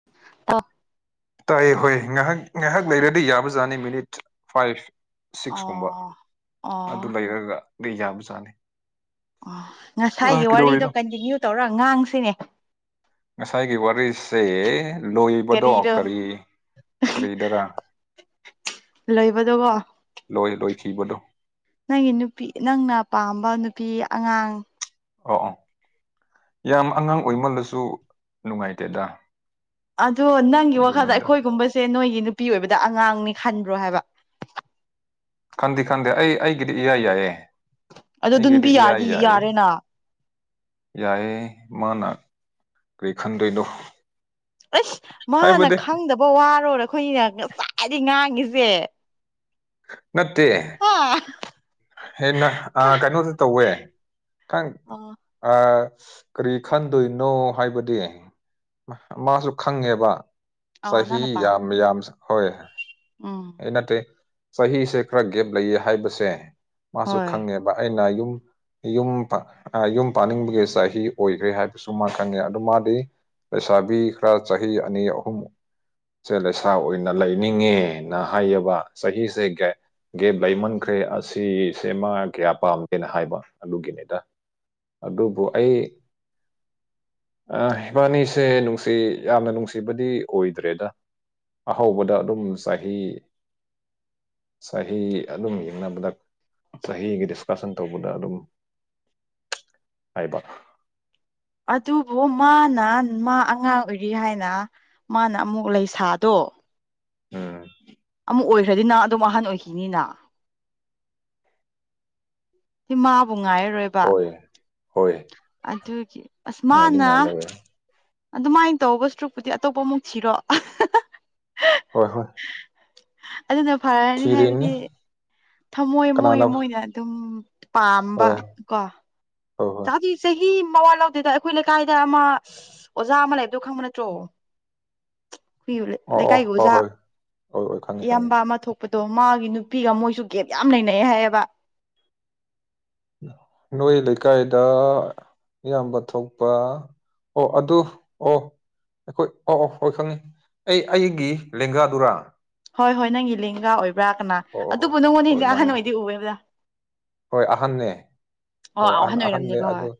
[unintelligible] ꯇꯥꯏ ꯍꯣꯏ ꯉꯥꯏꯍꯥꯛ ꯉꯥꯏꯍꯥꯛ ꯂꯩꯔꯗꯤ ꯌꯥꯕꯖꯥꯠꯅꯤ ꯃꯤꯅꯤꯠ ꯐꯥꯏꯚ ꯁꯤꯛꯁꯀꯨꯝꯕ ꯑꯣ ꯑꯗꯨ ꯑꯣ ꯂꯩꯔꯒ ꯑꯗꯨ ꯌꯥꯕꯖꯥꯠꯅꯤ ꯑꯣ ꯉꯁꯥꯏꯒꯤ ꯋꯥꯔꯤꯗꯣ ꯀꯟꯇꯤꯅ꯭ꯌꯨ ꯇꯧꯔꯒ ꯉꯥꯡꯁꯤꯅꯦ ꯉꯁꯥꯏꯒꯤ ꯋꯥꯔꯤꯁꯦ ꯂꯣꯏꯕꯗꯣ ꯀꯔꯤꯗꯣ ꯀꯔꯤ ꯀꯔꯤꯗꯔꯥ ꯂꯩꯕꯗꯀꯣ ꯂꯣꯏ ꯂꯣꯏꯈꯤꯕꯗꯣ ꯅꯪꯒꯤ ꯅꯨꯄꯤ ꯅꯪꯅ ꯄꯥꯝꯕ ꯅꯨꯄꯤ ꯑꯉꯥꯡ ꯑꯣ ꯑꯣ ꯌꯥꯝ ꯑꯉꯥꯡ ꯑꯣꯏꯃꯜꯂꯁꯨ ꯅꯨꯡꯉꯥꯏꯇꯦꯗ ꯑꯗꯣ ꯅꯪꯒꯤ ꯋꯥꯈꯜꯗ ꯑꯗꯨꯅꯤꯗ ꯑꯩꯈꯣꯏꯒꯨꯝꯕꯁꯦ ꯅꯣꯏꯒꯤ ꯅꯨꯄꯤ ꯑꯣꯏꯕꯗ ꯑꯉꯥꯡꯅꯤ ꯈꯟꯕ꯭ꯔꯣ ꯍꯥꯏꯕ ꯈꯟꯗꯤ ꯈꯟꯗꯦ ꯑꯩ ꯑꯩꯒꯤꯗꯤ ꯏꯌꯥ ꯌꯥꯏꯌꯦ ꯑꯗꯨ ꯑꯗꯨ ꯑꯩꯒꯤꯗꯤ ꯅꯨꯄꯤ ꯏꯌꯥ ꯌꯥꯗꯤ ꯌꯥꯏꯌꯦ ꯌꯥꯔꯦꯅꯥ ꯌꯥꯏꯌꯦ ꯃꯥꯅ ꯀꯔꯤ ꯈꯟꯗꯣꯏꯅꯣ ꯑꯁ ꯃꯥꯅ ꯍꯥꯏꯕꯗꯤ ꯈꯪꯗꯕ ꯋꯥꯔꯣꯅ ꯑꯩꯈꯣꯏꯅꯤꯅ ꯉꯁꯥꯏꯗꯩ ꯉꯥꯡꯉꯤꯁꯦ ꯅꯠꯇꯦ ꯍꯥ ꯍꯦꯟꯅ ꯀꯩꯅꯣꯁꯨ ꯇꯧꯋꯦ ꯈꯪ ꯑꯣ ꯑ ꯀꯔꯤ ꯈꯟꯗꯣꯏꯅꯣ ꯍꯥꯏꯕꯗꯤ ꯃꯥꯁꯨ ꯈꯪꯉꯦꯕ ꯑꯣ ꯆꯍꯤ ꯌꯥꯝ ꯌꯥꯝ ꯍꯣꯢ ꯑꯝ ꯅꯠꯇꯦ ꯆꯍꯤꯁꯦ ꯈꯔ ꯒꯦꯞ ꯂꯩꯌꯦ ꯍꯥꯏꯕꯁꯦ ꯃꯥꯁꯨ ꯍꯣꯏ ꯈꯪꯉꯦꯕ ꯑꯩꯅ ꯌꯨꯝ ꯌꯨꯝ ꯌꯨꯝ ꯄꯥꯅꯤꯡꯕꯒꯤ ꯆꯍꯤ ꯑꯣꯏꯈ꯭ꯔꯦ ꯍꯥꯏꯕꯁꯨ ꯃꯥ ꯈꯪꯉꯦ ꯑꯗꯨ ꯃꯥꯗꯤ ꯂꯩꯁꯥꯕꯤ ꯈꯔ ꯆꯍꯤ ꯑꯅꯤ ꯑꯍꯨꯝ ꯁꯦ ꯂꯩꯁꯥ ꯑꯣꯏꯅ ꯂꯩꯅꯤꯡꯉꯦꯅ ꯍꯥꯏꯌꯦꯕ ꯆꯍꯤꯁꯦ ꯒꯦꯞ ꯂꯩꯃꯟꯈ꯭ꯔꯦ ꯑꯁꯤꯁꯦ ꯃꯥ ꯀꯌꯥ ꯄꯥꯝꯗꯦꯅ ꯍꯥꯏꯕ ꯑꯗꯨꯒꯤꯅꯤꯗ ꯑꯗꯨꯕꯨ ꯑꯩ ꯑ ꯏꯕꯥꯅꯤꯁꯦ ꯅꯨꯡꯁꯤ ꯌꯥꯝꯅ ꯅꯨꯡꯁꯤꯕꯗꯤ ꯑꯣꯏꯗ꯭ꯔꯦꯗ ꯑꯍꯧꯕꯗ ꯑꯗꯨꯝ ꯆꯍꯤ ꯆꯍꯤ ꯑꯗꯨꯝ ꯌꯦꯡꯅꯕꯗ ꯆꯍꯤꯒꯤ ꯗꯤꯁꯀꯁꯟ ꯇꯧꯕꯗ ꯑꯗꯨꯝ ꯍꯥꯏꯕ ꯑꯗꯨꯕꯨ ꯃꯥꯅ ꯃꯥ ꯑꯉꯥꯡ ꯑꯣꯏꯔꯤ ꯍꯥꯏꯅ ꯃꯥꯅ ꯑꯃꯨꯛ ꯂꯩꯁꯥꯗꯣ ꯎꯝ ꯑꯃꯨꯛ ꯑꯣꯏꯈ꯭ꯔꯗꯤ ꯅꯪ ꯑꯗꯨꯝ ꯑꯍꯟ ꯑꯣꯏꯈꯤꯅꯤꯅ ꯃꯥꯕꯨ ꯉꯥꯏꯔꯔꯣꯏ ꯍꯣꯏ ꯍꯣꯏ ꯑꯗꯨꯒꯤ ꯎꯁ ꯉꯥꯏꯗꯤ ꯃꯥꯅ ꯉꯥꯏ ꯂꯧꯔꯦ ꯑꯗꯨꯃꯥꯏꯅ ꯇꯧꯕ ꯁꯔꯨꯛꯄꯨꯗꯤ ꯑꯇꯣꯞꯄ ꯑꯃꯨꯛ ꯊꯤꯔꯣ ꯍꯣꯏ ꯍꯣꯏ ꯑꯗꯨꯅ ꯐꯔꯅꯤ ꯊꯤꯔꯤꯅꯤ ꯍꯥꯏꯕꯗꯤ ꯊꯝꯃꯣꯏ ꯃꯣꯏ ꯀꯅꯥꯅ ꯃꯣꯏꯅ ꯑꯗꯨꯝ ꯄꯥꯝꯕ ꯍꯣꯏ ꯀꯣ ꯍꯣꯏ ꯍꯣꯏ ꯆꯥꯗꯤ ꯆꯍꯤ ꯃꯋꯥ ꯂꯧꯗꯦꯗ ꯑꯩꯈꯣꯏ ꯂꯩꯀꯥꯏꯗ ꯑꯃ ꯑꯣꯖꯥ ꯑꯃ ꯂꯩꯕꯗꯣ ꯈꯪꯕ ꯅꯠꯇ꯭ꯔꯣ ꯑꯣ ꯂꯩꯀꯥꯏꯒꯤ ꯑꯣ ꯍꯣꯏ ꯑꯣꯖꯥ ꯍꯣꯏ ꯍꯣꯏ ꯍꯣꯏ ꯈꯪꯉꯦ ꯈꯪꯉꯦ ꯏꯌꯥꯝꯕ ꯑꯃ ꯊꯣꯛꯄ ꯄꯥꯇꯣ ꯃꯥꯒꯤ ꯅꯨꯄꯤꯒ ꯃꯣꯏꯁꯨ ꯒꯦꯞ ꯌꯥꯝ ꯂꯩꯅꯩ ꯍꯥꯏꯌꯦꯕ ꯅꯣꯏ ꯂꯩꯀꯥꯏꯗ ꯏꯌꯥꯝꯕ ꯊꯣꯛꯄ ꯑꯣ ꯑꯗꯨ ꯑꯣ ꯑꯩꯈꯣꯏ ꯑꯣ ꯍꯣꯏ ꯈꯪꯉꯤ ꯑꯩ ꯑꯩꯒꯤ ꯂꯦꯡꯒꯥꯗꯨꯔꯥ ꯍꯣꯏ ꯍꯣꯏ ꯅꯪꯒꯤ ꯂꯦꯡꯒꯥ ꯑꯣꯏꯕ꯭ꯔꯥ ꯀꯅꯥ ꯑꯣ ꯑꯣ ꯍꯣꯏ ꯑꯗꯨꯕꯨ ꯍꯣꯏ ꯅꯪꯉꯣꯟꯗꯒꯤꯗꯤ ꯑꯍꯟ ꯃꯥꯅꯦ ꯑꯣꯏꯗꯤ ꯎꯋꯦꯗ ꯍꯣꯏ ꯑꯍꯟꯅꯦ ꯍꯣꯏ ꯑꯣ ꯑꯍꯟ ꯑꯍꯟꯅꯦ ꯑꯣꯏꯔꯝꯅꯦꯕ ꯍꯣꯏ ꯑꯗꯨ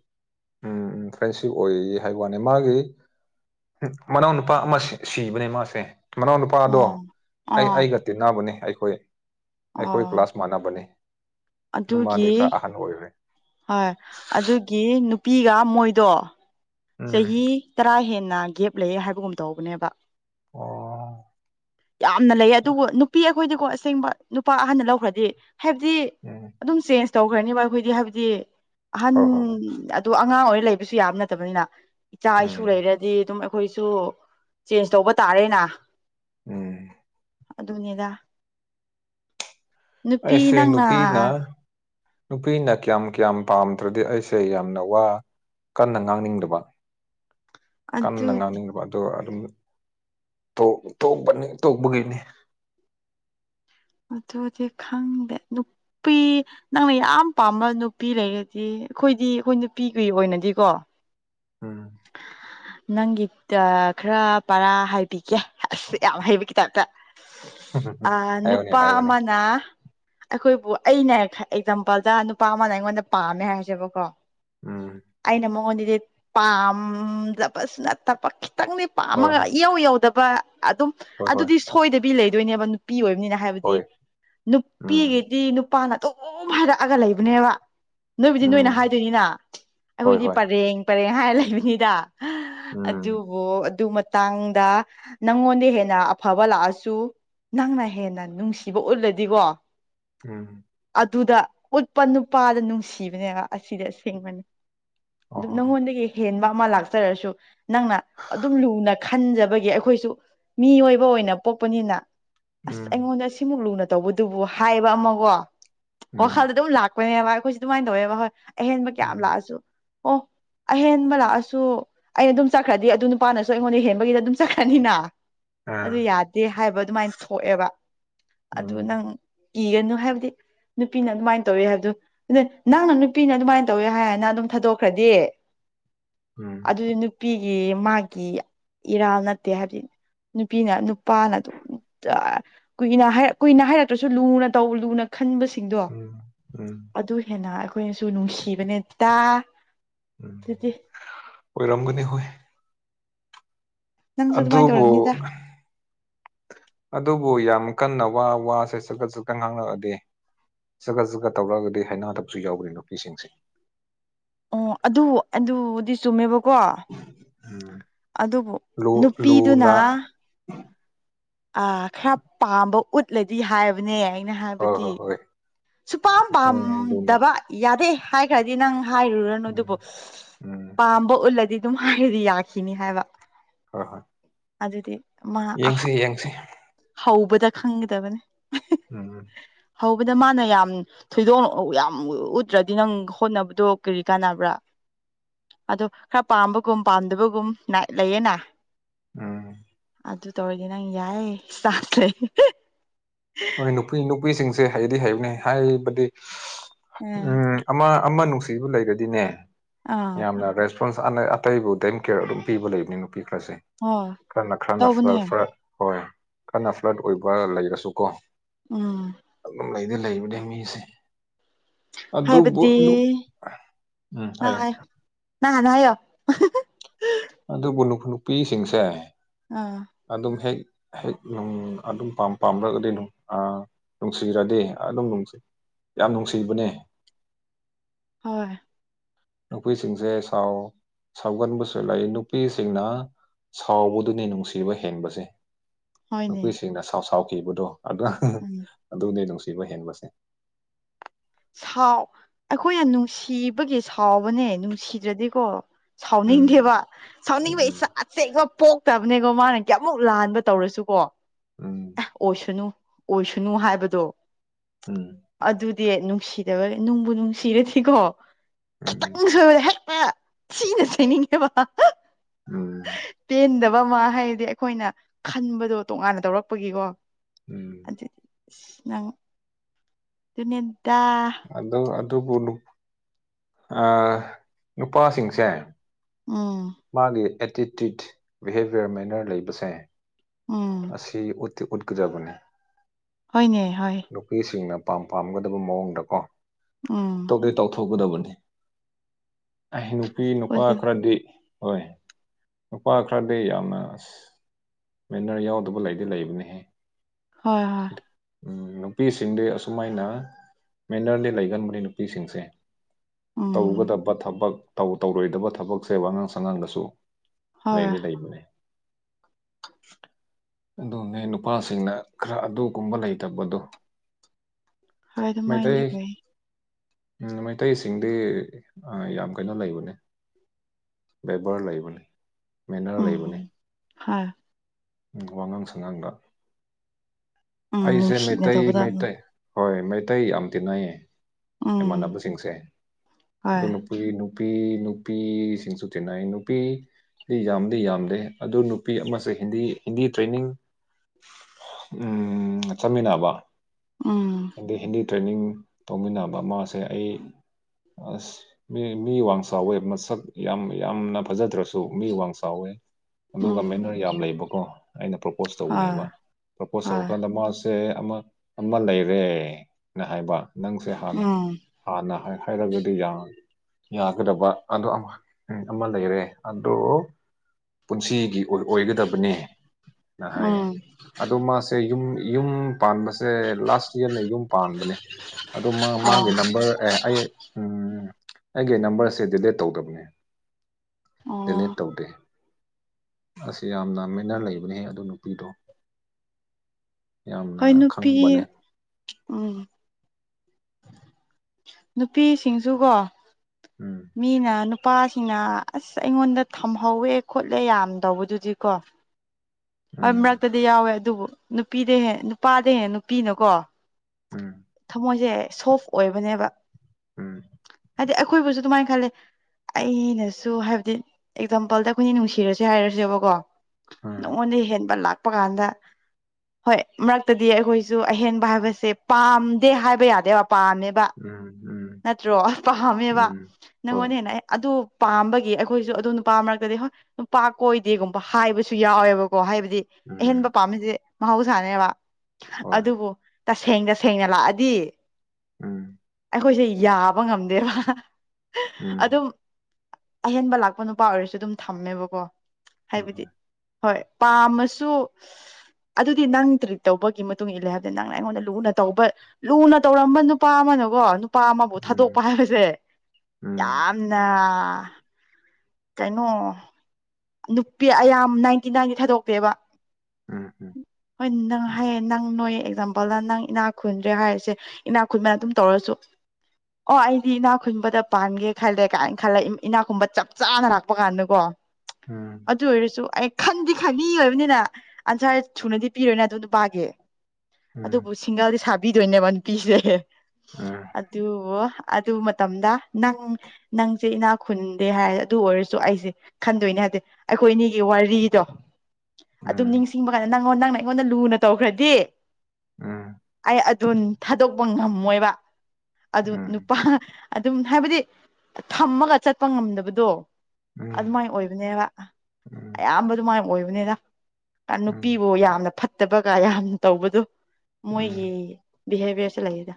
ꯎꯝ ꯐ꯭ꯔꯦꯟꯁꯤꯞ ꯑꯣꯏ ꯍꯥꯏꯕ ꯋꯥꯅꯤ ꯃꯥꯒꯤ ꯃꯅꯥꯎ ꯅꯨꯨꯄꯥ ꯑꯃ ꯁꯤꯕꯅꯦ ꯃꯥꯁꯦ ꯃꯅꯥꯎ ꯅꯨꯨꯄꯥ ꯑꯗꯣ ꯑꯣ ꯑꯩ ꯑꯥ ꯑꯩꯒ ꯇꯤꯟꯅꯕꯅꯦ ꯑꯩꯈꯣꯏ ꯑꯩꯈꯣꯏ ꯑꯣ ꯀ꯭ꯂꯥꯁ ꯃꯥꯟꯅꯕꯅꯤ ꯑꯗꯨ ꯃꯥꯗꯤ ꯑꯗꯨꯒꯤ ꯈꯔ ꯑꯍꯟ ꯑꯣꯏꯈ꯭ꯔꯦ ꯑꯥꯏ ꯑꯗꯨꯒꯤ ꯅꯨꯄꯤꯒ ꯃꯣꯏꯗꯣ ꯎꯝ ꯆꯍꯤ ꯇꯔꯥ ꯍꯦꯟꯅ ꯒꯦꯞ ꯂꯩꯑꯦ ꯍꯥꯏꯕꯒꯨꯝ ꯇꯧꯕꯅꯦꯕ ꯑꯣ ꯌꯥꯝꯅ ꯂꯩ ꯑꯗꯨꯕꯨ ꯅꯨꯄꯤ ꯑꯩꯈꯣꯏꯗꯤꯀꯣ ꯑꯁꯦꯡꯕ ꯅꯨꯄꯥ ꯑꯍꯟꯅ ꯂꯧꯈ꯭ꯔꯗꯤ ꯍꯥꯏꯕꯗꯤ ꯎꯝ ꯑꯗꯨꯝ ꯆꯦꯟꯖ ꯇꯧꯈ꯭ꯔꯅꯦꯕ ꯑꯩꯈꯣꯏꯗꯤ ꯍꯥꯏꯕꯗꯤ ꯑꯍꯟ ꯍꯣꯏ ꯍꯣꯏ ꯑꯗꯣ ꯑꯉꯥꯡ ꯑꯣꯏꯔ ꯂꯩꯕꯁꯨ ꯌꯥꯕꯁꯨ ꯅꯠꯇꯕꯅꯤꯅ ꯏꯆꯥ ꯏꯁꯨ ꯎꯝ ꯂꯩꯔꯗꯤ ꯑꯗꯨꯝ ꯑꯩꯈꯣꯏꯁꯨ ꯆꯦꯟꯖ ꯇꯧꯕ ꯇꯥꯔꯦꯅ ꯎꯝ ꯑꯗꯨꯅꯦꯗ ꯅꯨꯄꯤ ꯑꯩꯁꯦ ꯅꯪꯅ ꯅꯨꯄꯤꯅ ꯅꯨꯄꯤꯅ ꯀꯌꯥꯝ ꯀꯌꯥꯝ ꯄꯥꯝꯗ꯭ꯔꯗꯤ ꯑꯩꯁꯦ ꯌꯥꯝꯅ ꯋꯥ ꯀꯟꯅ ꯉꯥꯡꯅꯤꯡꯗꯕ ꯑꯗꯨ ꯀꯟꯅ ꯉꯥꯡꯅꯤꯡꯉꯗꯕ ꯑꯗꯣ ꯑꯗꯨꯝꯅꯤ ꯊꯣꯛ ꯊꯣꯛꯄꯅꯤ ꯇꯣꯛꯄꯒꯤꯅꯤ ꯑꯗꯨꯗꯤ ꯈꯪꯗꯦ ꯅꯨꯄꯤ ꯅꯪꯅ ꯌꯥꯝ ꯄꯥꯝꯕ ꯅꯨꯄꯤ ꯂꯩꯔꯗꯤ ꯑꯩꯈꯣꯏꯗꯤ ꯑꯩꯈꯣꯏ ꯅꯨꯄꯤꯒꯤ ꯑꯣꯏꯅꯗꯤꯀꯣ ꯎꯝ ꯅꯪꯒꯤ ꯈꯔ ꯄꯔꯥ ꯍꯥꯏꯕꯤꯒꯦ ꯑꯁ ꯌꯥꯝ ꯍꯩꯕꯒꯤ ꯇꯥꯏꯞꯇ ꯑ ꯍꯥꯏꯌꯣꯅꯦ ꯅꯨꯄꯥ ꯍꯥꯏꯌꯣꯅꯦ ꯑꯃꯅꯥ ꯑꯩꯈꯣꯏꯕꯨ ꯑꯩꯅ ꯑꯦꯛꯖꯥꯝꯄꯜꯗ ꯅꯨꯄꯥ ꯑꯃꯅ ꯑꯩꯉꯣꯟꯗ ꯄꯥꯝꯃꯦ ꯍꯥꯏꯁꯦꯕꯀꯣ ꯎꯝ ꯑꯩꯅ ꯃꯉꯣꯟꯗꯗꯤ ꯄꯥꯝꯗꯕꯁꯨ ꯅꯠꯇꯞꯄ ꯈꯤꯇꯪꯗꯤ ꯍꯣꯏ ꯄꯥꯝꯃꯒ ꯍꯣꯏ ꯏꯌꯧ ꯌꯧꯗꯕ ꯑꯗꯨꯝ ꯍꯣꯏ ꯍꯣꯏ ꯑꯗꯨꯗꯤ ꯁꯣꯏꯗꯕꯤ ꯂꯩꯗꯣꯏꯅꯦꯕ ꯅꯨꯄꯤ ꯑꯣꯏꯕꯅꯤꯅ ꯍꯥꯏꯕꯗꯤ ꯅꯨꯄꯤꯒꯤꯗꯤ ꯅꯨꯄꯥꯅ ꯑꯗꯨꯝ ꯍꯥꯏꯔꯛꯑꯒ ꯂꯩꯕꯅꯦꯕ ꯅꯣꯏꯕꯨꯗꯤ ꯅꯣꯏꯅ ꯍꯥꯏꯗꯣꯏꯅꯤꯅ ꯑꯩꯈꯣꯏꯗꯤ ꯄꯔꯦꯡ ꯄꯔꯦꯡ ꯍꯥꯏꯔ ꯂꯩꯕꯅꯤꯗ ꯍꯥ ꯑꯗꯨ ꯑꯣ ꯑꯗꯨ ꯃꯇꯥꯡꯗ ꯅꯪꯉꯣꯟꯗꯩ ꯍꯦꯟꯅ ꯑꯐꯕ ꯂꯥꯛꯑꯁꯨ ꯅꯪꯅ ꯍꯦꯟꯅ ꯅꯨꯡꯁꯤꯕ ꯎꯠꯂꯗꯤꯀꯣ ꯎꯝ ꯑꯗꯨꯗ ꯎꯠꯄ ꯅꯨꯄꯥꯗ ꯅꯨꯡꯁꯤꯕꯅꯦꯕ ꯑꯁꯤꯗꯁꯦꯡꯕꯅꯤ ꯅꯪꯉꯣꯟꯗꯒꯤ ꯍꯦꯟꯕ ꯑꯃ ꯂꯥꯛꯆꯔꯁꯨ ꯅꯪꯅ ꯑꯗꯨꯝ ꯂꯨꯅ ꯈꯟꯖꯕꯒꯤ ꯑꯩꯈꯣꯏꯁꯨ ꯃꯤꯑꯣꯏꯕ ꯑꯣꯏꯅ ꯄꯣꯛꯄꯅꯤꯅ ꯑꯁ ꯑꯩꯉꯣꯟꯗ ꯁꯤꯃꯨꯛ ꯂꯨꯅ ꯇꯧꯕꯗꯨꯕꯨ ꯍꯥꯏꯕ ꯑꯃꯀꯣ ꯋꯥꯈꯜꯗ ꯑꯗꯨꯝ ꯂꯛ ꯄꯅꯦꯕ ꯑꯩꯈꯣꯏꯁꯦ ꯑꯗꯨꯃꯥꯏꯅ ꯇꯧꯋꯦꯕ ꯍꯣꯏ ꯑꯍꯦꯟꯕ ꯀꯌꯥꯝ ꯂꯥꯛꯑꯁꯨ ꯑꯣ ꯑꯍꯦꯟꯕ ꯂꯥꯛꯑꯁꯨ ꯑꯩꯅ ꯑꯗꯨꯝ ꯆꯠꯈ꯭ꯔꯗꯤ ꯑꯗꯨ ꯅꯨꯄꯥꯅꯁꯨ ꯑꯩꯉꯣꯟꯗ ꯍꯦꯟꯕꯒꯤꯗ ꯑꯗꯨꯝ ꯆꯠꯈ꯭ꯔꯅꯤꯅ ꯑꯗꯨ ꯌꯥꯗꯦ ꯍꯥꯏꯕ ꯑꯗꯨꯃꯥꯏꯅ ꯊꯣꯛꯑꯦꯕ ꯑꯗꯨ ꯅꯪ ꯀꯤꯒꯅꯨ ꯍꯥꯏꯕꯗꯤ ꯅꯨꯄꯤꯅ ꯑꯗꯨꯃꯥꯏꯅ ꯇꯧꯋꯦ ꯍꯥꯏꯕꯗꯨ ꯑꯗ ꯅꯪꯅ ꯅꯨꯄꯤꯅ ꯑꯗꯨꯃꯥꯏꯅ ꯇꯧꯋꯦ ꯍꯥꯏꯅ ꯑꯗꯨꯝ ꯊꯥꯗꯣꯛꯈ꯭ꯔꯗꯤ ꯎꯝ ꯑꯗꯨ ꯅꯨꯄꯤꯒꯤ ꯃꯥꯒꯤ ꯏꯔꯥꯜ ꯅꯠꯇꯦ ꯍꯥꯏꯕꯗꯤ ꯅꯨꯄꯤꯅ ꯅꯨꯄꯥꯅ ꯑꯗꯨꯝ ꯆꯥ ꯀꯨꯏꯅ ꯍꯥꯏꯔ ꯀꯨꯏꯅ ꯍꯥꯏꯔꯛꯇ꯭ꯔꯁꯨ ꯂꯨꯅ ꯇꯧ ꯂꯨꯅ ꯈꯟꯕꯁꯤ ꯁꯤꯡꯗꯣ ꯑꯗꯨ ꯍꯦꯟꯅ ꯑꯩꯈꯣꯏꯅꯁꯨ ꯅꯨꯡꯁꯤꯕꯅꯦ ꯗ ꯗꯨꯗꯤ ꯑꯣꯏꯔꯝꯒꯅꯤ ꯍꯣꯏ ꯅꯪꯁꯨ ꯑꯗꯨꯃꯥꯏꯅ ꯑꯗꯨꯕꯨ ꯇꯧꯔꯝꯅꯤꯗ ꯑꯗꯨꯕꯨ ꯌꯥꯝ ꯀꯟꯅ ꯋꯥ ꯋꯥꯁꯦ ꯆꯒꯠ ꯆꯒꯠ ꯉꯥꯡꯉꯛꯑꯗꯤ ꯆꯒꯠ ꯆꯒꯠ ꯇꯧꯔꯒꯗꯤ ꯍꯥꯏꯅꯗꯕꯁꯨ ꯌꯥꯎꯕꯅꯤ ꯅꯨꯄꯤꯁꯤꯡꯁꯦ ꯑꯣ ꯑꯗꯨ ꯑꯗꯨꯗꯤ ꯆꯨꯝꯃꯦꯕꯥ ꯀꯣ ꯎꯝ ꯑꯗꯨꯕꯨ ꯂꯨ ꯅꯨꯄꯤꯗꯨꯅ ꯂꯨꯅ ꯑ ꯈꯔ ꯄꯥꯝꯕ ꯎꯠꯂꯗꯤ ꯍꯥꯏꯕꯅꯦ ꯑꯩꯅ ꯍꯣꯏ ꯍꯥꯏꯕꯗꯤ ꯍꯣꯏ ꯍꯣꯏ ꯁꯨꯄꯥꯝ ꯄꯥꯝ ꯍꯣꯏ ꯑꯗꯨꯅ ꯗꯕ ꯌꯥꯗꯦ ꯍꯥꯏꯈ꯭ꯔꯗꯤ ꯅꯪ ꯍꯥꯏꯔꯨꯔꯅꯨ ꯎꯝ ꯑꯗꯨꯕꯨ ꯎꯝ ꯄꯥꯝꯕ ꯎꯠꯂꯗꯤ ꯑꯗꯨꯝ ꯍꯥꯏꯔꯗꯤ ꯌꯥꯈꯤꯅꯤ ꯍꯥꯏꯕ ꯍꯣꯏ ꯍꯣꯏ ꯑꯗꯨꯗꯤ ꯃꯥ ꯌꯦꯡꯁꯤ ꯑꯍꯥ ꯌꯦꯡꯁꯤ ꯍꯧꯕꯗ ꯈꯪꯒꯗꯕꯅꯤ ꯎꯝ ꯍꯧꯕꯗ ꯃꯥꯥꯟꯅ ꯌꯥꯝ ꯊꯣꯏꯗꯣꯛꯅ ꯌꯥꯝ ꯎꯗ꯭ꯔꯗꯤ ꯅꯪ ꯍꯣꯠꯅꯕꯗꯣ ꯀꯔꯤ ꯀꯥꯟꯅꯕ꯭ꯔꯥ ꯑꯗꯣ ꯈꯔ ꯄꯥꯝꯕꯒꯨꯝ ꯄꯥꯝꯗꯕꯒꯨꯝ ꯅꯥ ꯂꯩꯌꯦꯅ ꯎꯝ ꯑꯗꯨ ꯇꯧꯔꯗꯤ ꯅꯪ ꯌꯥꯏ ꯆꯥꯟꯁ ꯂꯩ ꯍꯣꯏ ꯅꯨꯄꯤ ꯅꯨꯄꯤꯁꯤꯡꯁꯦ ꯍꯩꯗꯤ ꯍꯕꯅꯦ ꯍꯥꯏꯕꯗꯤ ꯑꯦ ꯎꯝ ꯑꯃ ꯑꯃ ꯅꯨꯡꯁꯤꯕꯨ ꯂꯩꯔꯗꯤꯅꯦ ꯑꯥ ꯌꯥꯝꯅ ꯔꯦꯁ ꯑꯇꯩꯕꯨ ꯗꯦꯝ ꯗꯩꯝ ꯀꯤꯌꯏ ꯑꯗꯨꯝ ꯄꯤꯕ ꯂꯩꯕꯅꯤ ꯅꯨꯄꯤ ꯈꯔꯁꯦ ꯍꯣꯏ ꯈꯔꯅ ꯈꯔꯅ ꯐꯔ ꯇꯧꯕꯅꯦ ꯐꯔ ꯍꯣꯏ ꯀꯟꯅ ꯐ꯭ꯂꯠ ꯑꯣꯏꯕ ꯂꯩꯔꯁꯨꯀꯣ ꯎꯝ ꯑꯗꯨꯝ ꯂꯩꯗꯤ ꯂꯩꯕꯅꯦ ꯃꯤꯁꯦ ꯑꯗꯨꯕꯨ ꯍꯥꯏꯕꯗꯤ ꯅꯨ ꯎꯝ ꯅꯪ ꯍꯥꯏꯌꫭ ꯍꯥꯏꯌꯣ ꯅꯪ ꯍꯥꯟꯅ ꯍꯥꯏꯌꫭ ꯑꯗꯨꯕꯨ ꯅꯨ ꯅꯨꯄꯤꯁꯤꯡꯁꯦ ꯑꯥ ꯑꯗꯨꯝ ꯍꯦꯛ ꯍꯦꯛ ꯑꯗꯨꯝ ꯄꯥꯝ ꯄꯥꯝꯗ꯭ꯔꯒꯗꯤ ꯅꯨꯃ ꯑ ꯅꯨꯡꯁꯤꯔꯗꯤ ꯑꯗꯨꯝ ꯅꯨꯡꯁꯤ ꯌꯥꯝ ꯅꯨꯡꯁꯤꯕꯅꯦ ꯍꯣꯏ ꯅꯨꯄꯤꯁꯤꯡꯁꯦ ꯁꯥꯎ ꯁꯥꯎꯒꯟꯕꯁꯨ ꯂꯩ ꯅꯨꯄꯤꯁꯤꯡꯅ ꯁꯥꯎꯕꯗꯨꯅꯤ ꯅꯨꯡꯁꯤꯕ ꯍꯦꯟꯕꯁꯦ ꯍꯣꯏꯅꯦ ꯅꯨꯄꯤꯁꯤꯡꯅ ꯁꯥꯎ ꯁꯥꯎꯈꯤꯕꯗꯣ ꯑꯗꯨ ꯎꯝ ꯑꯗꯨꯗꯤ ꯅꯨꯡꯁꯤꯕ ꯍꯦꯟꯕꯁꯦ ꯁꯥꯎ ꯑꯩꯈꯣꯏꯅ ꯅꯨꯡꯁꯤꯕꯒꯤ ꯁꯥꯎꯕꯅꯦ ꯅꯨꯡꯁꯤꯗ꯭ꯔꯗꯤꯀꯣ ꯎꯝ ꯁꯥꯎꯅꯤꯡꯗꯦꯕ ꯁꯥꯎꯅꯤꯡꯕ ꯎꯝ ꯑꯩꯁꯥꯠ ꯆꯦꯛꯂꯛ ꯄꯣꯛꯇꯕꯅꯦꯀꯣ ꯃꯥꯅ ꯀꯌꯥꯃꯨꯛ ꯂꯍꯟꯕ ꯇꯧꯔꯁꯨꯀꯣ ꯎꯝ ꯑꯦ ꯑꯣꯏꯁꯅꯨ ꯑꯣꯏꯁꯅꯨ ꯍꯥꯏꯕꯗꯣ ꯎꯝ ꯑꯗꯨꯗꯤ ꯅꯨꯡꯁꯤꯗꯕ ꯅꯨꯡꯕꯨ ꯅꯨꯡꯁꯤꯔꯗꯤꯀꯣ ꯎꯝ ꯈꯤꯛꯇꯪ ꯁꫭꯏꯕꯗ ꯍꯦꯛꯇ ꯊꯤꯅ ꯆꯩꯅꯤꯡꯉꯦꯕ ꯎꯝ ꯄꯦꯟꯗꯕ ꯑꯃ ꯍꯥꯏꯗꯤ ꯑꯩꯈꯣꯏꯅ ꯈꯟꯕꯗꯣ ꯇꯣꯉꯥꯟꯅ ꯇꯧꯔꯛꯄꯒꯤꯀꯣ ꯎꯝ ꯑꯗꯨꯗꯤ ꯅꯪ ꯑꯗꯨꯅꯦꯗꯥ ꯑꯗꯨ ꯑꯗꯨꯕꯨ ꯑ ꯅꯨꯄꯥꯁꯤꯡꯁꯦ ꯎꯝ ꯃꯥꯒꯤ ꯑꯦꯇꯤꯇ꯭ꯌꯨꯠ ꯕꯤꯍꯦꯕꯤꯌꯔ ꯃꯦꯅꯔ ꯂꯩꯕꯁꯦ ꯎꯝ ꯑꯁꯤ ꯎꯠ ꯗꯨ ꯎꯠꯀꯗꯕꯅꯦ ꯍꫭꯏꯅꯦ ꯍꫭꯏ ꯅꯨꯄꯤꯁꯤꯡꯅ ꯄꯥꯝ ꯄꯥꯝꯒꯗꯕ ꯃꯑꯣꯡꯗꯀꯣ ꯎꯝ ꯑꯗꯨꯗꯤ ꯇꯧꯊꯣꯛꯀꯗꯕꯅꯤ ꯑꯩ ꯅꯨꯄꯤ ꯅꯨꯄꯥ ꯑꯣꯏꯒ ꯈꯔꯗꯤ ꯍꯣꯏ ꯅꯨꯄꯥ ꯈꯔꯗꯤ ꯌꯥꯝꯅ ꯑꯁ ꯃꯦꯅꯔ ꯌꯥꯎꯗꯕ ꯂꯩꯗꯤ ꯂꯩꯕꯅꯤꯍꯦ ꯍꯣꯏ ꯍꯣꯏ ꯎꯝ ꯅꯨꯄꯤꯁꯤꯡꯗꯤ ꯑꯁꯨꯃꯥꯏꯅ ꯃꯦꯅꯔꯗꯤ ꯂꯩꯒꯟꯕꯅꯤ ꯅꯨꯄꯤꯁꯤꯡꯁꯦ ꯎꯝ ꯇꯧꯒꯗꯕ ꯊꯕꯛ ꯇꯧ ꯇꯧꯔꯣꯏꯗꯕ ꯊꯕꯛꯁꯦ ꯋꯉꯥꯡ ꯁꯉꯥꯡꯗꯁꯨ ꯍꯣꯏ ꯂꯩꯗꯤ ꯂꯩꯕꯅꯦ ꯑꯗꯨꯅꯦ ꯅꯨꯄꯥꯁꯤꯡꯅ ꯈꯔ ꯑꯗꯨꯒꯨꯝꯕ ꯂꯩ ꯇꯕꯗꫭ ꯍꯣꯏ ꯑꯗꯨꯃꯥꯏꯅꯗꯤ ꯃꯥꯏꯇꯩ ꯑꯣꯏ ꯎꯝ ꯃꯩꯇꯩꯁꯤꯡꯗꯤ ꯑꯥ ꯌꯥꯝ ꯀꯩꯅꯣ ꯂꯩꯕꯅꯦ ꯕ‌ꯦꯕꯥꯔ ꯂꯩꯕꯅꯦ ꯃꯦꯅꯔ ꯎꯝ ꯂꯩꯕꯅꯤ ꯎꯝ ꯍꯣꯏ ꯎꯝ ꯋꯥꯉꯥꯡ ꯁꯉꯥꯡꯗ ꯎꯝ ꯑꯩꯁꯦ ꯅꯨꯡꯁꯤꯅ ꯃꯩꯇꯩ ꯇꯧꯒꯗꯕꯅꯤ ꯃꯩꯇꯩ ꯍꯣꯏ ꯃꯩꯇꯩ ꯌꯥꯝ ꯇꯤꯟꯅꯩꯌꯦ ꯎꯝ ꯎꯝ ꯏꯃꯥꯟꯅꯕꯁꯤꯡꯁꯦ ꯍꯣꯏ ꯑꯗꯨꯅ ꯑꯩꯈꯣꯏꯒꯤ ꯅꯨꯄꯤ ꯅꯨꯄꯤꯁꯤꯡꯁꯨ ꯊꯤꯟꯅꯩ ꯅꯨꯄꯤ ꯗꯤ ꯌꯥꯝꯗꯤ ꯌꯥꯝꯗꯦ ꯑꯗꯨ ꯅꯨꯄꯤ ꯑꯃꯁꯨ ꯍꯤꯟꯗꯤ ꯍꯤꯟꯗꯤ ꯇ꯭ꯔꯦꯅꯤꯡ ꯎꯝ ꯆꯠꯃꯤꯟꯅꯥꯕ ꯎꯝ ꯑꯗꯩ ꯍꯤꯟꯗꯤ ꯇ꯭ꯔꯦꯅꯤꯡ ꯇꯧꯃꯤꯟꯅꯕ ꯃꯥꯁꯦ ꯑꯩ ꯑꯁ ꯃꯤ ꯃꯤ ꯋꯥꯡ ꯆꯥꯎꯋꯦ ꯃꯁꯛ ꯌꯥꯝ ꯌꯥꯝꯅ ꯐꯖꯗ꯭ꯔꯁꯨ ꯃꯤ ꯋꯥꯡ ꯆꯥꯎꯋꯦ ꯎꯝ ꯑꯗꯨꯒꯃꯦꯟꯅ ꯌꯥꯝ ꯂꯩꯕꯀꯣ ꯑꯩꯅ ꯄ꯭ꯔꯣꯄꯣꯁ ꯍꯣꯏ ꯇꯧꯕꯅꯦꯕ ꯄ꯭ꯔꯣꯄꯣꯁ ꯍꯣꯏ ꯇꯧꯔꯀꯥꯟꯗ ꯃꯥꯁꯤ ꯁꯦ ꯑꯃꯥ ꯑꯃꯥ ꯂꯩꯔ‌ꯦꯅ ꯍꯥꯏꯕ ꯅꯪꯁꯦ ꯍꯥꯟꯅ ꯎꯝ ꯍꯥꯟꯅ ꯍꯥꯏꯔꯒꯗꯤ ꯌꯥ ꯌꯥꯒꯗꯕ ꯑꯗꫭ ꯎꯝ ꯑꯃꯥ ꯂꯩꯔꯦ ꯑꯗꯣ ꯄꯨꯟꯁꯤꯒꯤ ꯑꯣꯏꯒꯗꯕꯅꯦꯅꯥ ꯍꯥꯏꯌꯦ ꯎꯝ ꯑꯗꯣ ꯃꯥꯁꯦ ꯌꯨꯝ ꯌꯨꯝ ꯄꯥꯟꯕꯁꯦ ꯂꯥꯁ ꯌꯔꯅ ꯌꯨꯝ ꯄꯥꯟꯕꯅꯦ ꯑꯗꯨ ꯃꯥ ꯑꯥ ꯃꯥꯒꯤ ꯅꯝꯕꯔ ꯑꯦ ꯑꯩ ꯎꯝ ꯑꯩꯒꯤ ꯅꯝꯕꯔꯁꯦ ꯗꯤꯂꯤꯠ ꯇꯧꯗꯕꯅꯦ ꯗꯦꯂꯦꯠ ꯑꯣ ꯇꯧꯗꯦ ꯑꯁ ꯌꯥꯝꯅ ꯃꯦꯟꯅꯔ ꯂꯩꯕꯅꯤꯍ‌ꯦ ꯑꯗꯨ ꯅꯨꯄꯤꯗꯣ ꯌꯥꯝꯅ ꯍꯣꯏ ꯅꯨꯄꯤ ꯈꯪꯕꯅꯦ ꯎꯝ ꯅꯨꯄꯤꯁꯤꯡꯁꯨꯀꯣ ꯎꯝ ꯃꯤꯅꯥ ꯅꯨꯄꯥꯁꯤꯡꯅ ꯑꯁ ꯑꯩꯉꯣꯟꯗ ꯊꯝꯍꯧꯋꯦ ꯈꯣꯠꯂꯦ ꯌꯥꯝ ꯇꯧꯕꯗꯨꯗꯤꯀꯣ ꯍꯣꯏ ꯎꯝ ꯃꯔꯛꯇꯗꯤ ꯌꯥꯎꯋꯦ ꯑꯗꯨꯕꯨ ꯅꯨꯄꯤꯗ ꯍꯦ ꯅꯨꯄꯥꯗ ꯍꯦ ꯅꯨꯄꯤꯅꯀꯣ ꯎꯝ ꯃꯣꯏꯁꯦ ꯁꯣꯐ ꯑꯣꯏꯕꯅꯦꯕ ꯎꯝ ꯍꯥꯏꯗꯤ ꯑꯩꯈꯣꯏꯕꯨꯁꯨ ꯑꯗꯨꯃꯥꯏꯅ ꯈꯜꯂꯦ ꯑꯩꯅꯁꯨ ꯍꯥꯏꯕꯗꯤ ꯑꯦꯛꯖꯥꯝꯄꯜꯗ ꯑꯩꯈꯣꯏꯅ ꯅꯨꯡꯁꯤꯔꯁꯦ ꯍꯥꯏꯔꯁꯦꯕꯀꯣ ꯎꯝ ꯅꯉꯣꯟꯗꯩ ꯍꯦꯟꯕ ꯂꯥꯛꯄ ꯀꯥꯟꯗ ꯍꯣꯏ ꯃꯔꯛꯇꯗꯤ ꯑꯩꯈꯣꯏꯁꯨ ꯑꯍꯦꯟꯕ ꯍꯥꯏꯕꯁꯦ ꯄꯥꯝꯗꯦ ꯍꯥꯏꯕ ꯌꯥꯗꯦꯕ ꯄꯥꯝꯃꯦꯕ ꯎꯝ ꯎꯝ ꯅꯠꯇ꯭ꯔꯣ ꯄꯥꯝꯃꯦꯕ ꯎꯝ ꯍꯣꯏ ꯅꯪꯉꯣꯟꯗ ꯍꯦꯟꯅ ꯑꯩ ꯑꯗꯨ ꯄꯥꯝꯕꯒꯤ ꯑꯩꯈꯣꯏꯁꯨ ꯑꯗꯨ ꯅꯨꯄꯥ ꯃꯔꯛꯇꯗꯤ ꯍꯣꯏ ꯅꯨꯄꯥ ꯀꯣꯏꯗꯦꯒꯨꯝꯕ ꯍꯥꯏꯕꯁꯨ ꯌꯥꯎꯋꯦꯕꯀꯣ ꯍꯥꯏꯕꯗꯤ ꯑꯍꯦꯟꯕ ꯎꯝ ꯄꯥꯝꯃꯤꯁꯦ ꯃꯍꯧꯁꯥꯅꯦꯕ ꯍꯣꯏ ꯑꯗꯨꯕꯨ ꯇꯁꯦꯡ ꯇꯁꯦꯡꯅ ꯂꯥꯛꯑꯗꯤ ꯎꯝ ꯑꯩꯈꯣꯏꯁꯦ ꯌꯥꯕ ꯉꯝꯗꯦꯕ ꯎꯝ ꯑꯗꯨꯝ ꯑꯍꯦꯟꯕ ꯂꯥꯛꯄ ꯅꯨꯄꯥ ꯑꯣꯏꯔꯁꯨ ꯑꯗꯨꯝ ꯊꯝꯃꯦꯕꯀꯣ ꯍꯣꯏ ꯍꯥꯏꯕꯗꯤ ꯍꯣꯏ ꯍꯣꯏ ꯄꯥꯝꯃꯁꯨ ꯑꯗꯨꯗꯤ ꯅꯪ ꯇ꯭ꯔꯤꯛ ꯇꯧꯕꯒꯤ ꯃꯇꯨꯡ ꯏꯜꯂꯦ ꯍꯥꯏꯕꯗ ꯅꯪꯅ ꯑꯩꯉꯣꯟꯗ ꯂꯨꯅ ꯇꯧꯕ ꯂꯨꯅ ꯇꯧꯔꯝꯕ ꯅꯨ ꯄꯥ ꯑꯃꯅꯀꯣ ꯅꯨꯄꯥ ꯑꯃꯕꯨ ꯎꯝ ꯊꯥꯗꯣꯛꯄ ꯍꯥꯏꯕꯁꯦ ꯎꯝ ꯌꯥꯝꯅ ꯀꯩꯅꯣ ꯅꯨꯄꯤ ꯑꯌꯥꯝ ꯅꯥꯏꯟꯇꯤ ꯅꯥꯏꯟꯗꯤ ꯊꯥꯗꯣꯛꯇꯦꯕ ꯑꯩꯗꯤ ꯍꯣꯏ ꯅꯪ ꯍꯥꯏꯌꯦ ꯅꯪ ꯅꯣꯏ ꯑꯦꯛꯖꯥꯝꯄꯜꯗ ꯅꯪ ꯏꯅꯥꯛ ꯈꯨꯟꯗ꯭ꯔꯦ ꯍꯥꯏꯔꯁꯦ ꯏꯅꯥꯛ ꯈꯨꯟꯕꯅ ꯑꯗꯨꯝ ꯇꯧꯔꯁꯨ ꯑꯣ ꯑꯩꯗꯤ ꯏꯅꯥꯈꯣꯏꯟꯕꯗ ꯄꯥꯟꯒꯦ ꯈꯜꯂꯦ ꯀꯥꯏꯅ ꯈꯜꯂꯦ ꯏꯅꯥꯛꯈꯟꯕ ꯆꯞ ꯆꯥꯅ ꯂꯥꯛꯄ ꯀꯥꯟꯗꯀꯣ ꯎꯝ ꯑꯗꯨ ꯑꯣꯏꯔꯁꯨ ꯑꯩ ꯈꯟꯗꯤ ꯈꯟꯕꯤꯔꯕꯅꯦꯅ ꯑꯟꯁꯔ ꯊꯨꯅꯗꯤ ꯄꯤꯔꯣꯏꯅ ꯑꯗꯨ ꯅꯨꯄꯥꯒꯤ ꯑꯗꯨꯕꯨ ꯁꯤꯡꯒꯜꯗꯤ ꯁꯥꯕꯤꯗꯣꯏꯅꯦꯕ ꯅꯨꯄꯤꯁꯦ ꯑꯗꯨꯕꯨ ꯑꯗꯨ ꯃꯇꯝꯗ ꯅꯪ ꯅꯪꯁꯦ ꯏꯅꯥꯛ ꯈꯨꯟꯗꯦ ꯍꯥꯏꯌꯦ ꯑꯗꯨ ꯑꯣꯏꯔꯁꯨ ꯑꯩꯁꯦ_ ꯈꯟꯗꯣꯏꯅꯦ ꯍꯥꯏꯗꯤ ꯑꯩꯈꯣꯏ ꯑꯅꯤꯒꯤ ꯋꯥꯔꯤꯗꯣ ꯑꯗꯨꯝ ꯅꯤꯡꯁꯤꯡꯕ ꯀꯥꯟꯗ ꯅꯪꯉꯣꯟ ꯅꯪꯅ ꯑꯩꯉꯣꯟꯗ ꯂꯨꯅ ꯇꯧꯈ꯭ꯔꯥꯗꯤ ꯑꯩ ꯑꯗꯨꯟ ꯊꯥꯗꯣꯛꯄ ꯉꯝꯃꯣꯏꯕ ꯑꯗꯨ ꯅꯨꯄꯥ ꯑꯗꯨꯝ ꯍꯥꯏꯕꯗꯤ ꯊꯝꯃꯒ ꯆꯠꯄ ꯉꯝꯗꯕꯗꯣ ꯑꯗꯨꯃꯥꯏ ꯑꯣꯏꯕꯅꯦꯕ ꯑꯌꯥꯝꯕ ꯑꯗꯨꯃꯥꯏ ꯑꯣꯏꯕꯅꯦꯗ ꯅꯨꯄꯤꯕꯨ ꯌꯥꯝꯅ ꯐꯠꯇꯕꯒ ꯌꯥꯝ ꯇꯧꯕꯗꯨ ꯃꯣꯏꯒꯤ ꯕꯤꯍꯦꯕꯤꯌꯦꯔꯁꯦ ꯂꯩꯌꯦꯗ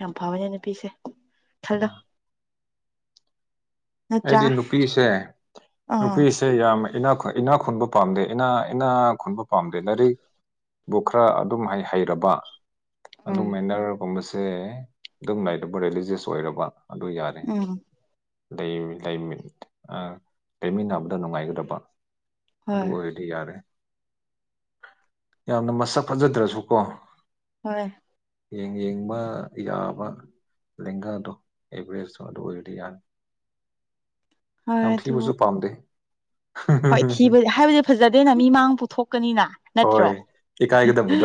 ꯌꯥꯝ ꯐꯕꯅꯦ ꯅꯨꯄꯤꯁꯦ ꯈꯜꯂꯣ ꯅꯠꯇ꯭ꯔꯥ ꯑꯩꯗꯤ ꯅꯨꯄꯤꯁꯦ ꯑꯥ ꯅꯨꯄꯤꯁ ꯁꯦ ꯌꯥꯝ ꯏꯅꯥꯛꯈꯨꯟ ꯏꯅꯥꯛ ꯈꯨꯟꯕ ꯄꯥꯝꯗꯦ ꯏꯅꯥ ꯏꯅꯥ ꯈꯨꯟꯕ ꯄꯥꯝꯗꯦ ꯂꯥꯏꯔꯤꯛ ꯕꯨ ꯈ꯭ꯔꯥ ꯑꯗꯨꯝ ꯍꯩ ꯍꯩꯔꯕ ꯑꯗꯨ ꯎꯝ ꯃꯦꯟꯅꯔ ꯒꯨꯝꯕꯁꯦ ꯗꯨꯝ ꯂꯩꯔꯕ ꯔꯦꯂꯤꯖꯁ ꯑꯣꯏꯔꯕ ꯑꯗꯨ ꯌꯥ ꯎꯝ ꯂꯩ ꯂꯩꯃꯤ ꯑꯥ ꯂꯩꯃꯤꯟꯅꯕꯗ ꯅꯨꯡꯉꯥꯏꯒꯗꯕ ꯑꯗꯨ ꯍꯣꯏ ꯑꯣꯏ ꯗꯤ ꯌꯥꯔꯦ ꯌꯥꯝꯅ ꯃꯁꯛ ꯐꯖꯗ꯭ꯔꯥꯁꯨ ꯀꯣ ꯍꯣꯏ ꯌꯦꯡ ꯌꯦꯡꯕ ꯌꯥꯕ ꯂꯦꯡꯒꯥꯗꯣ ꯑꯦꯚꯔꯦꯁꯗꯣ ꯑꯗꯨ ꯑꯣꯏꯔꯗꯤ ꯌꯥꯔꯦ ꯍꯣꯏ ꯌꯥꯝ ꯑꯗꯨ ꯊꯤꯕꯁꯨ ꯄꯥꯝꯗꯦ ꯍꯣꯏ ꯊꯤꯕ ꯍꯥꯏꯕꯗꯤ ꯐꯖꯗꯦꯅ ꯃꯤ ꯃꯥꯡ ꯄꯨꯊꯣꯛꯀꯅꯤꯅ ꯍꯣꯏ ꯅꯠꯇ꯭ꯔꯣ ꯏꯀꯥꯏꯒꯗꯕꯗꯣ